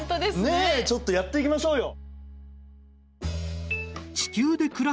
ねえちょっとやっていきましょうよ。